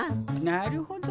なるほど。